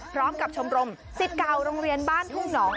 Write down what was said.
พร้อมกับชมรม๑๙โรงเรียนบ้านทุ่งหนอง